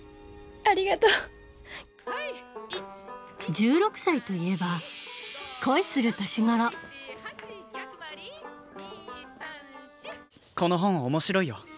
１６歳といえば恋する年頃この本面白いよ。